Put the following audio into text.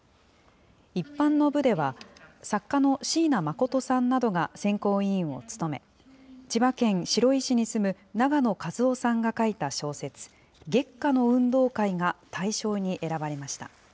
一般の部では、作家の椎名誠さんなどが選考委員を務め、千葉県白井市に住む長野和夫さんが書いた小説、月下の運動会が大賞に選ばれました。